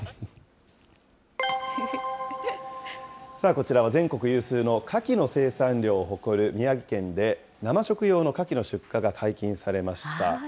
こちらは全国有数のカキの生産量を誇る宮城県で、生食用のカキの出荷が解禁されました。